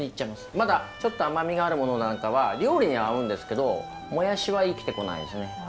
まだちょっと甘みがあるものなんかは料理には合うんですけどもやしは生きてこないですね。